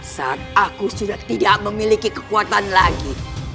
saat aku sudah tidak memiliki kekuatan lagi